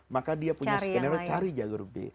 maka dia punya skenario cari jalur b